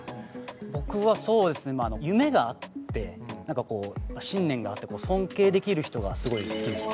僕はそうですね夢があってなんかこう信念があって尊敬できる人がすごい好きですね。